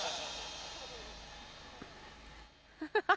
ハハハ！